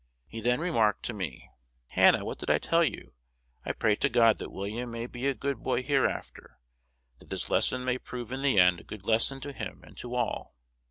He then remarked to me, 'Hannah, what did I tell you? I pray to God that William may be a good boy hereafter; that this lesson may prove in the end a good lesson to him and to all.'...